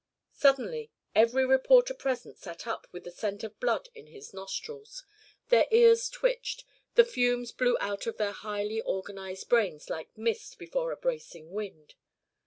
Suddenly every reporter present sat up with the scent of blood in his nostrils. Their ears twitched. The fumes blew out of their highly organised brains like mist before a bracing wind.